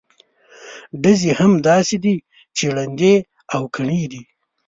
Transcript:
ډزې هم داسې دي چې ړندې او کڼې دي.